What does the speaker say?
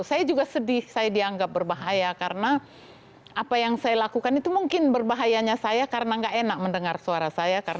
saya juga sedih saya dianggap berbahaya karena apa yang saya lakukan itu mungkin berbahayanya saya karena nggak enak mendengar suara saya